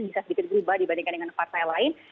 bisa sedikit berubah dibandingkan dengan partai lain